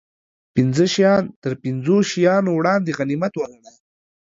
پنځه شیان تر پنځو شیانو وړاندې غنیمت و ګڼه